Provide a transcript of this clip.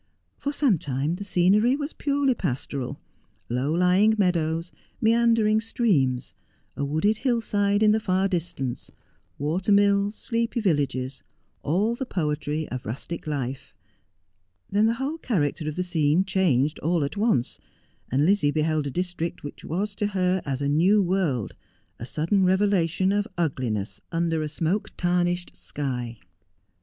JTor some time the scenery was purely pastoral, low lying meadows, meandering streams, a wooded hill side in the far distance, water mills, sleepy villgges, all the poetry of rustic life. Then the whole character of the scene changed all at once, and Lizzie beheld a district which was to her as a new world, a sudden revelation of ugliness under a smoke tarnished sky.